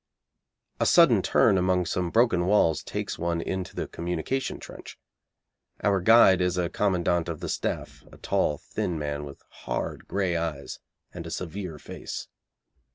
A sudden turn among some broken walls takes one into the communication trench. Our guide is a Commandant of the Staff, a tall, thin man with hard, grey eyes and a severe face.